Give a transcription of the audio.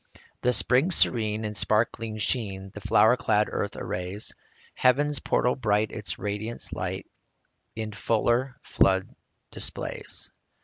The spring serene, in sparkling sheen, The flower clad earth arrays ; Heaven's portal bright its radiant light In fuller flood displays.